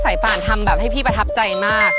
ป่านทำแบบให้พี่ประทับใจมาก